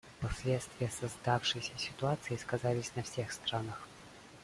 Последствия создавшейся ситуации сказались на всех странах.